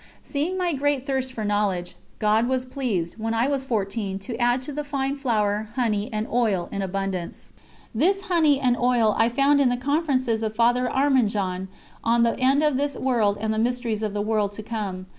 Seeing my great thirst for knowledge, God was pleased, when I was fourteen, to add to the "fine flour," "honey" and "oil" in abundance. This "honey" and "oil" I found in the conferences of Father Arminjon on _The End of this World and the Mysteries of the World to Come.